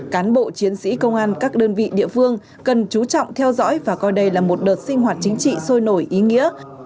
cán bộ chiến sĩ công an các đơn vị địa phương cần chú trọng theo dõi và coi đây là một đợt sinh hoạt chính trị sôi nổi ý nghĩa